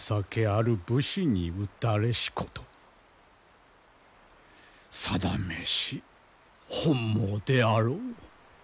ある武士に討たれしことさだめし本望であろう。